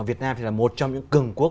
việt nam thì là một trong những cường quốc